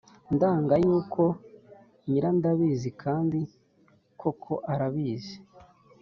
Ndanga yuko nyirandabizi kandi koko arabizi